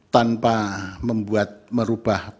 tanpa membuat merubah